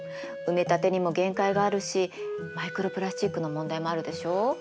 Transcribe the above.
埋め立てにも限界があるしマイクロプラスチックの問題もあるでしょう。